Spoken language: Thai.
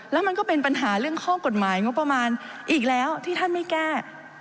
แล้วมันก็เป็นปัญหาเรื่องข้อกฎหมายงบประมาณอีกแล้วที่ท่านไม่แก้